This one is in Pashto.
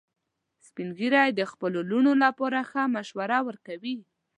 سپین ږیری د خپلو لورونو لپاره ښه مشوره ورکوي